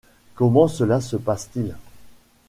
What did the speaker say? Comment cela se passe-t-il ?